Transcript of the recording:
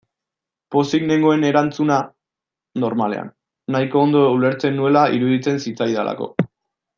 Pozik nengoen erantzuna, normalean, nahiko ondo ulertzen nuela iruditzen zitzaidalako.